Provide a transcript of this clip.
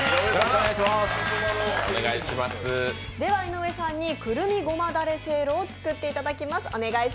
では井上さんにくるみごまだれせいろを作っていただきます。